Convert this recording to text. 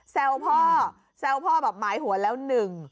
พ่อแซวพ่อแบบหมายหัวแล้วหนึ่ง